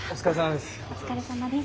お疲れさまです。